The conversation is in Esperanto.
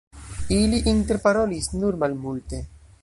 Ili interparolis nur malmulte.